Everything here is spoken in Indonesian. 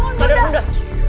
bunda bangun bunda